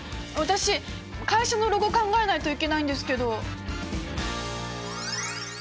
私会社のロゴ考えないといけないんですけど！